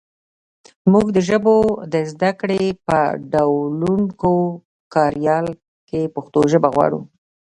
مونږ د ژبو د زده کړې په ډولونګو کاریال کې پښتو ژبه غواړو